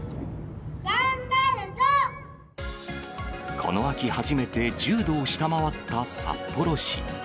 この秋、初めて１０度を下回った札幌市。